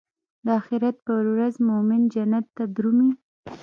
د اخرت پر ورځ مومن جنت ته درومي.